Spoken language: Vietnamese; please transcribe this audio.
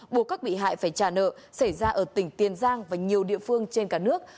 buộc các bị hại phải trả nợ xảy ra ở tỉnh tiền giang và nhiều địa phương trên cả nước